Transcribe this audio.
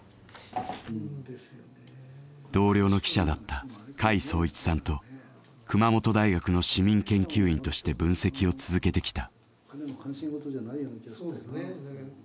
同僚の記者だった甲斐壮一さんと熊本大学の市民研究員として分析を続けてきた。